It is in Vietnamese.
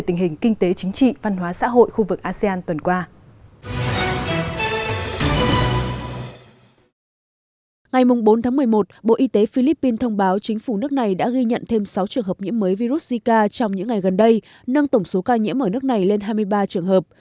ngày bốn một mươi một bộ y tế philippines thông báo chính phủ nước này đã ghi nhận thêm sáu trường hợp nhiễm mới virus zika trong những ngày gần đây nâng tổng số ca nhiễm ở nước này lên hai mươi ba trường hợp